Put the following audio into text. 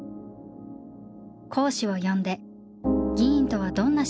講師を呼んで「議員とはどんな仕事なのか」